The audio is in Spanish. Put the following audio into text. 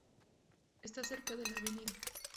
Está cerca de la Av.